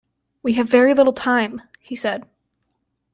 “We have very little time,” he said.